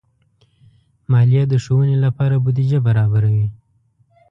مالیه د ښوونې لپاره بودیجه برابروي.